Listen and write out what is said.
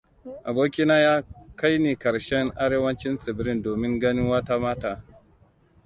Abokina ya kaini ƙarshen arewacin tsibirin domin ganin wata mata.